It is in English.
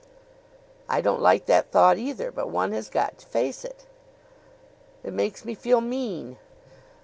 I don't like that thought, either; but one has got to face it." "It makes me feel mean."